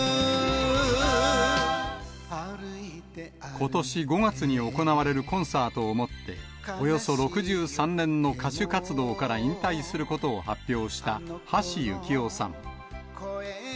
ことし５月に行われるコンサートをもって、およそ６３年の歌手活動から引退することを発表した橋幸夫さん。